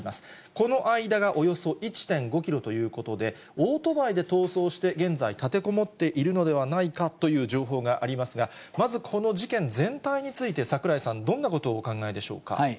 この間がおよそ１．５キロということで、オートバイで逃走して現在、立てこもっているのではないかという情報がありますが、まずこの事件全体について、櫻井さん、どんなことをお考えでしょうか。